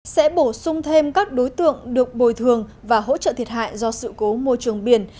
sẽ bổ sung thêm các đối tượng được bồi thường và hỗ trợ thiệt hại do sự cố môi trường biển